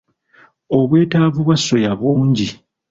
Obwetaavu bwa soya bungi.